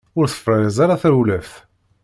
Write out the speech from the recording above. Ur tefṛiz ara tewlaft.